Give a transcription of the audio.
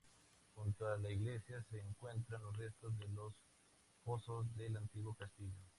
Junto a la iglesia se encuentran los restos de los fosos del antiguo castillo.